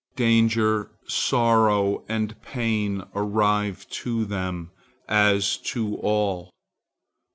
Danger, sorrow, and pain arrive to them, as to all.